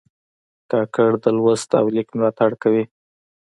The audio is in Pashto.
کاکړ د لوست او لیک ملاتړ کوي.